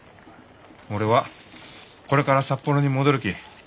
俺はこれから札幌に戻るき。